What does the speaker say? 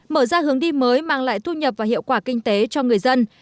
mở ra hướng đi mới mang lại thu nhập và hiệu quả kinh tế cho người dân